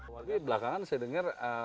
warga belakangan saya dengar